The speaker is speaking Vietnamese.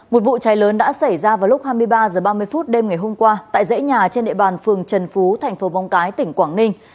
một vụ cháy lớn đã xảy ra vào lúc hai mươi ba h ba mươi phút đêm ngày hôm qua tại dãy nhà trên địa bàn phường trần phú thành phố vong cái tỉnh quảng ninh